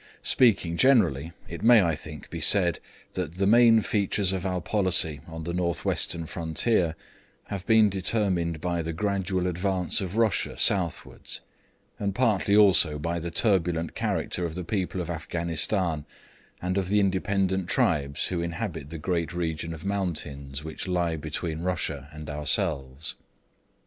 Speaking generally, it may, I think, be said that the main features of our policy on the North Western frontier have been determined by the gradual advance of Russia southwards, and partly also by the turbulent character of the people of Afghanistan, and of the independent tribes who inhabit the great region of mountains which lie between Russia and ourselves.